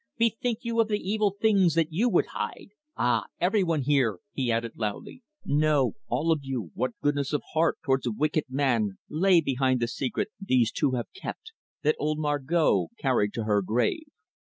Bethink you of the evil things that you would hide aye, every one here!" he added loudly. "Know, all of you, what goodness of heart towards a wicked man lay behind the secret these two have kept, that old Margot carried to her grave.